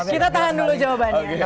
kita tahan dulu jawabannya